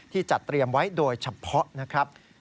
จัดเตรียมไว้โดยเฉพาะนะครับ